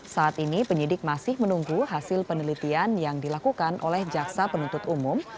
saat ini penyidik masih menunggu hasil penelitian yang dilakukan oleh jaksa penuntut umum